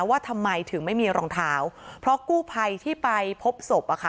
ว่าทำไมถึงไม่มีรองเท้าเพราะกู้ภัยที่ไปพบศพอะค่ะ